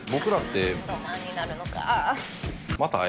ハンドマンになるのか。